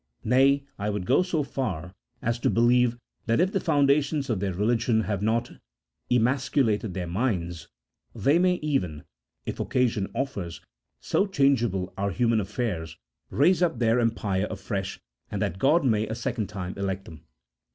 Nay, I would go so far as to believe that if the foundations of their religion have not emascu lated their minds they may even, if occasion offers, so changeable are human affairs, raise up their empire afresh, and that God may a second time elect them.